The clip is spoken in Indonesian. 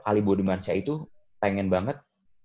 ali budi mansyah itu pengen banget